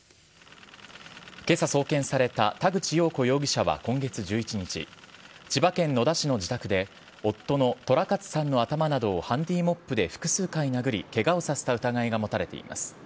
今朝送検された田口よう子容疑者は今月１１日千葉県野田市の自宅で夫の寅勝さんの頭などをハンディーモップで複数回殴りケガをさせた疑いが持たれています。